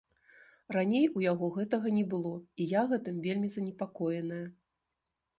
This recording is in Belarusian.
Раней у яго гэтага не было і я гэтым вельмі занепакоеная.